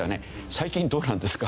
最近どうなんですか？